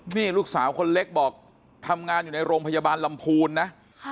นี่ลูกสาวคนเล็กบอกทำงานอยู่ในโรงพยาบาลลำพูนนะ